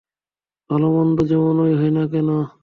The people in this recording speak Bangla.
ভালো-মন্দ যেমনই হই না কেন।